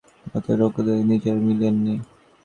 অথচ প্রখর রৌদ্রে নিজে গেল মিলিয়ে।